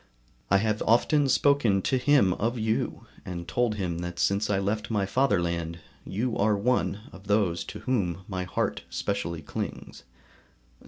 I have often spoken to him of you, and told him that since I left my fatherland, you are one of those to whom my heart specially clings.